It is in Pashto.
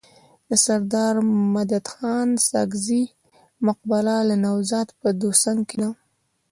د سرداد مددخان ساکزي مقبره د نوزاد په دوسنګ کي ده.